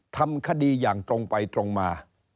ทำคดีอย่างตรงไปตรงมา